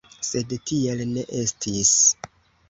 Sed tiel ne estis.